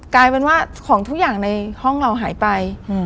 กลายเป็นว่าของทุกอย่างในห้องเราหายไป